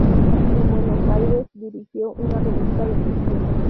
En Buenos Aires dirigió una revista de poesía.